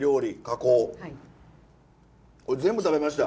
全部食べました。